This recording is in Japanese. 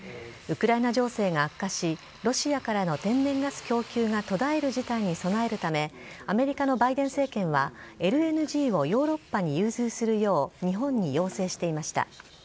ウクライナ情勢が悪化し、ロシアからの天然ガス供給が途絶える事態に備えるため、アメリカのバイデン政権は、ＬＮＧをヨーロッパに融通するよう、日本に要請していました。